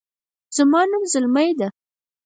زما نوم زلمۍ ده